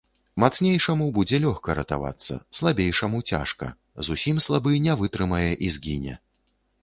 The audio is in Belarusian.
Мацнейшаму будзе лёгка ратавацца, слабейшаму цяжка, зусім слабы не вытрымае і згіне.